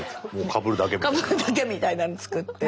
かぶるだけみたいなのを作って。